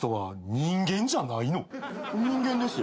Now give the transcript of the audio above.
人間ですよ。